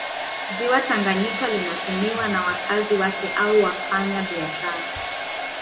Ziwa Tanganyika linatumiwa na wakazi wake au wafanya biashara